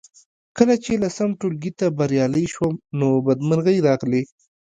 کله چې لسم ټولګي ته بریالۍ شوم نو بدمرغۍ راغلې